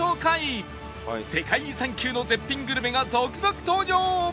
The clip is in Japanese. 世界遺産級の絶品グルメが続々登場！